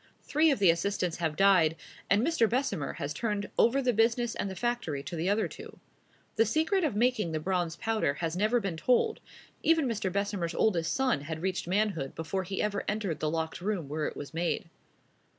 Three of the assistants have died; and Mr. Bessemer has turned over the business and the factory to the other two. The secret of making the bronze powder has never been told. Even Mr. Bessemer's oldest son had reached manhood before he ever entered the locked room where it was made.